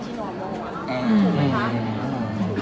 ถูกไหมคะ